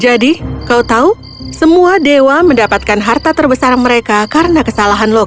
jadi kau tahu semua dewa mendapatkan harta terbesar mereka karena kesalahan loki